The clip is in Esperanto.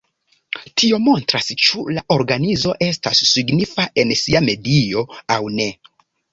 Tio montras ĉu la organizo estas signifa en sia medio aŭ ne.